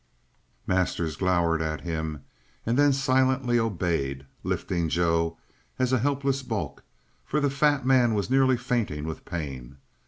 Masters glowered at him, and then silently obeyed, lifting Joe as a helpless bulk, for the fat man was nearly fainting with pain.